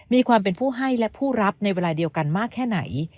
มีความเป็นผู้ให้และผู้รับในเวลาเดียวกันมากแค่ไหน